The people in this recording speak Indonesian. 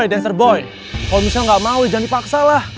oi dancer boy kalo misalnya gak mau jangan dipaksalah